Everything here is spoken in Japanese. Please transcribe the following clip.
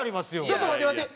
ちょっと待って待って！